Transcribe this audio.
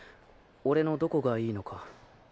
俺のどこがいいのか。